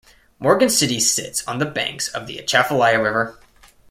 Morgan City sits on the banks of the Atchafalaya River.